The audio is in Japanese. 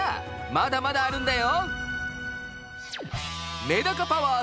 まだまだあるんだよ。